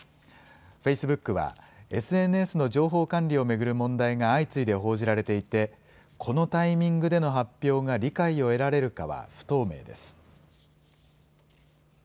フェイスブックはＳＮＳの情報管理を巡る問題が相次いで報じられていてこのタイミングでの発表が理解を得られるかは不透明です。